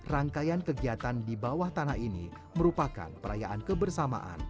rangkaian kegiatan di bawah tanah ini merupakan perayaan kebersamaan